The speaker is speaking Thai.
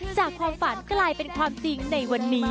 จากความฝันกลายเป็นความจริงในวันนี้